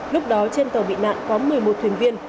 lúc đó trên tàu bị nạn có một mươi một thuyền viên